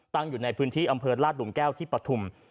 อยู่ในพื้นที่อำเภอลาดหลุมแก้วที่ปฐุม